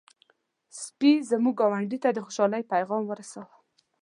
سپي زموږ ګاونډی ته د خوشحالۍ پيغام ورساوه.